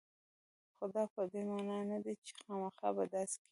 خو دا په دې معنا نه ده چې خامخا به داسې کېږي